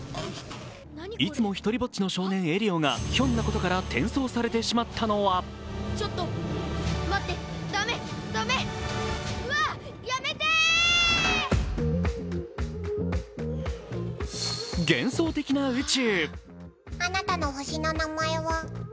いつも独りぼっちの少年エリオがひょんなことから転送されてしまったのは幻想的な宇宙。